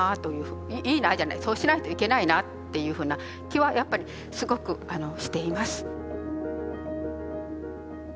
いいなじゃないそうしないといけないなっていうふうな気はやっぱりすごくしています。